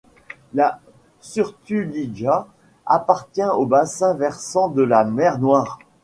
La Suturlija appartient au bassin versant de la mer Noire.